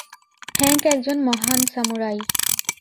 Hank একজন মহান samurai.